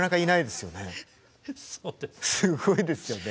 すごいですよね。